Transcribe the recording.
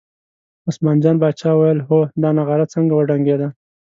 عثمان جان پاچا وویل هو دا نغاره څنګه وډنګېده.